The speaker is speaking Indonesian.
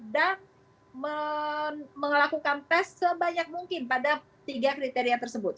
dan melakukan tes sebanyak mungkin pada tiga kriteria tersebut